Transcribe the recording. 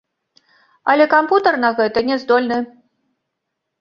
Але кампутар на гэта не здольны.